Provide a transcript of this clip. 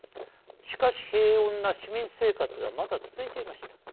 しかし、平穏な市民生活がまだ続いていました。